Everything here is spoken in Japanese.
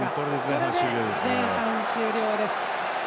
これで前半終了です。